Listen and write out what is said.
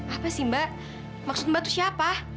apa sih mbak maksud mbak itu siapa